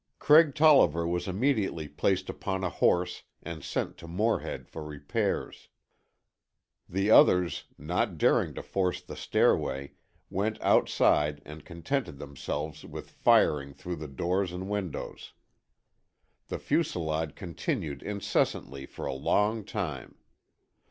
Craig Tolliver was immediately placed upon a horse and sent to Morehead for repairs. The others, not daring to force the stairway, went outside and contented themselves with firing through the doors and windows. The fusilade continued incessantly for a long time.